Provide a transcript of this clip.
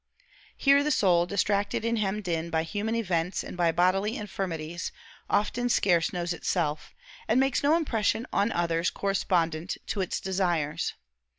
Here the soul, distracted and hemmed in by human events and by bodily infirmities, often scarce knows itself, and makes no impression on others correspondent to its desires.